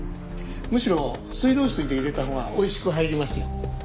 むしろ水道水で入れたほうがおいしく入りますよ。